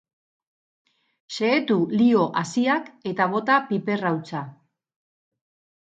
Xehetu liho haziak eta bota piper hautsa.